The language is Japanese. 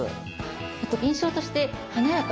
あと印象として華やかです。